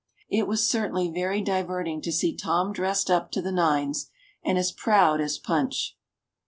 It was certainly very diverting to see Tom dressed up to the nines, and as proud as Punch.